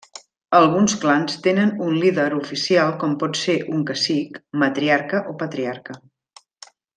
Alguns clans tenen un líder oficial com pot ser un cacic, matriarca o patriarca.